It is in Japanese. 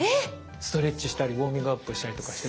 ストレッチしたりウォーミングアップしたりとかしてて。